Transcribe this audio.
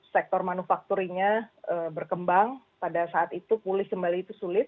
sektor manufakturinya berkembang pada saat itu pulih kembali itu sulit